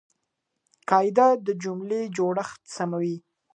قاعده د جملې جوړښت سموي.